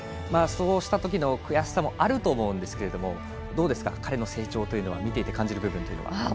そうしたときの悔しさもあると思うんですけどどうですか、彼の成長を見ていて感じる部分は？